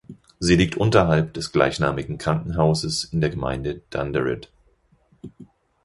Sie liegt unterhalb des gleichnamigen Krankenhauses in der Gemeinde Danderyd.